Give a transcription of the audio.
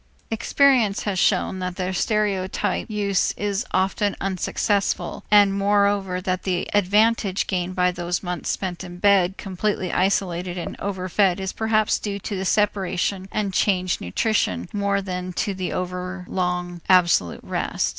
Experience has shown that their stereotyped use is often unsuccessful, and moreover that the advantage gained by those months spent in bed completely isolated and overfed is perhaps due to the separation and changed nutrition more than to the overlong absolute rest.